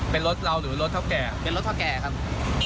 เป็นรถเราหรือรถเท่าแก่เป็นรถเท่าแก่ครับ